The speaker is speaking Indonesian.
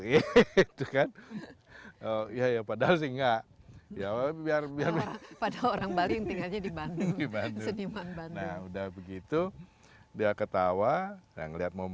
itu kan oh iya ya padahal sih nggak ya biar biar pada orang bali tinggalnya di bandung sudah begitu